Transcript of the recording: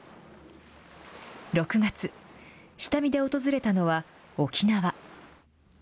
６月、下見で訪れたのは沖縄。